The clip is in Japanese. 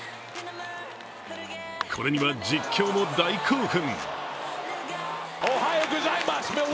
これには実況も大興奮。